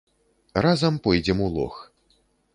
Разам пойдзем у лог.